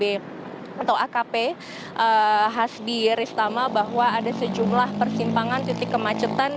atau akp hasbi ristama bahwa ada sejumlah persimpangan titik kemacetan